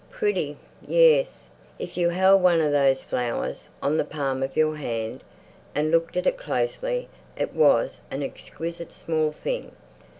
Pretty—yes, if you held one of those flowers on the palm of your hand and looked at it closely, it was an exquisite small thing.